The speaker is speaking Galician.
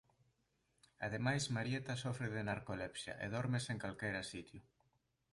Ademais Marieta sofre de narcolepsia e dórmese en calquera sitio.